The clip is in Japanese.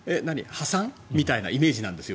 破産？みたいなイメージなんですよ。